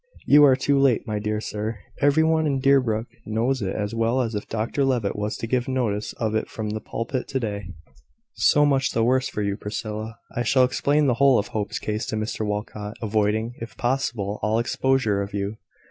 "You are too late, my dear sir. Every one in Deerbrook knows it as well as if Dr Levitt was to give notice of it from the pulpit to day." "So much the worse for you, Priscilla. I shall explain the whole of Hope's case to Mr Walcot, avoiding, if possible, all exposure of you